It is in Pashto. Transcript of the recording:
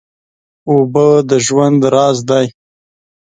اوبه د ژوند راز دی.